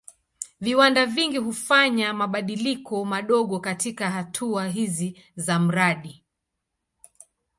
Viwanda vingi hufanya mabadiliko madogo katika hatua hizi za mradi.